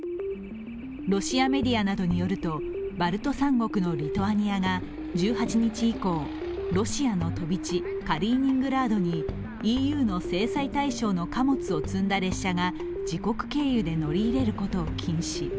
ロシアメディアなどによるとバルト三国のリトアニアが１８日以降、ロシアの飛び地・カリーニングラードにＥＵの制裁対象となっている貨物を積んだ列車が自国経由で乗り入れることを禁止。